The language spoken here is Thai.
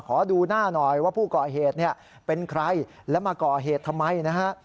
ขอดูหน้าหน่อยว่าผู้ก่อเหตุเนี่ยเป็นใครแล้วมาก่อเหตุทำไมนะฮะ